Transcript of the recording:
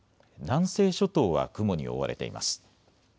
南西諸島は雲に覆われています。